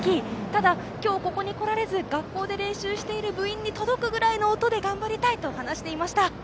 ただ、今日ここに来られず学校で練習している部員に届くぐらいの音で頑張りたいと話していました。